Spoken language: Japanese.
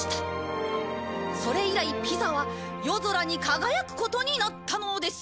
それ以来ピ座は夜空に輝くことになったのです。